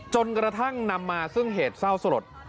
จนกระทั่งนำมาซึ่งเหตุเศร้าสลด